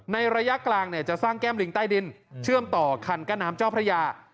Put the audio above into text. ระยะกลางจะสร้างแก้มลิงใต้ดินเชื่อมต่อคันกั้นน้ำเจ้าพระยา